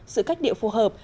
sự cách điệu phù hợp